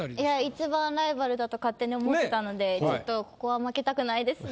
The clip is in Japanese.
一番ライバルだと勝手に思ってたのでちょっとここは負けたくないですね。